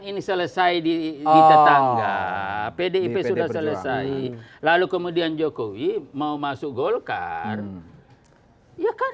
ini selesai di tetangga pdip sudah selesai lalu kemudian jokowi mau masuk golkar ya kan